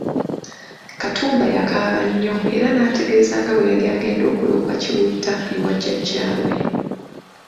Katumba yakaaba nnyo era n'ategeeza nga bwe yali agenda okuloopa Kiwutta ewa jajja we.